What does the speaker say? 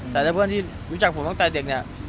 แต่ถ้าเพื่อนที่รู้จักผมตั้งแต่เด็กเนี่ย